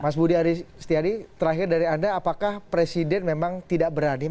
mas budi aris setiadi terakhir dari anda apakah presiden memang tidak berani